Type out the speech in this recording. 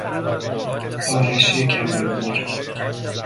آرش کمانگیر